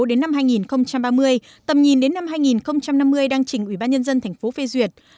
đến năm hai nghìn ba mươi tầm nhìn đến năm hai nghìn năm mươi đang chỉnh ủy ban nhân dân tp phê duyệt